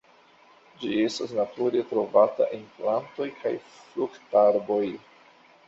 Ĝi estas nature trovata en plantoj kaj fruktarboj.